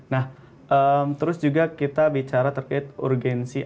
nah terus juga kita bicara terkait urgensi